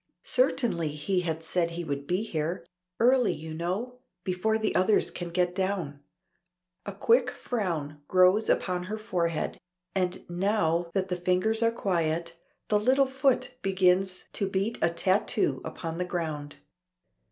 Certainly he had said he would be here. "Early you know. Before the others can get down." A quick frown grows upon her forehead, and now that the fingers are quiet, the little foot begins to beat a tattoo upon the ground.